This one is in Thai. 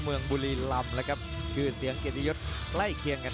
ทุกคนสามารถยินได้ขอให้ฟังก่อน